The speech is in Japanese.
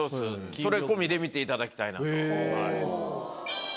それ込みで見ていただきたいなと。